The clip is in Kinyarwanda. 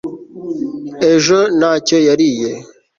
ejo ntacyo yariye